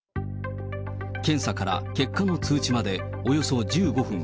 検査から結果の通知までおよそ１５分。